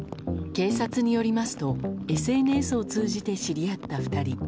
警察によりますとＳＮＳを通じて知り合った２人。